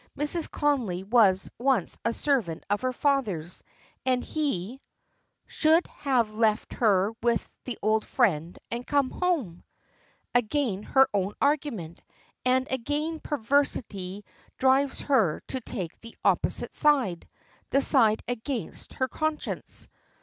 Mrs. Connolly was once a servant of her father's, and he " "Should have left her with the old friend and come home." Again her own argument, and again perversity drives her to take the opposite side the side against her conscience.